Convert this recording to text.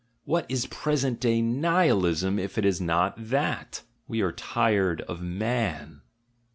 — What is present day Nihilism if it is n.)t that? — We are tired of man.